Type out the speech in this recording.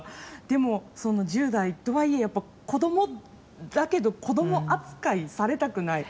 でも、１０代とはいえ子どもだけど子ども扱いされたくない。